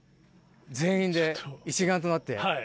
全員で一丸となって。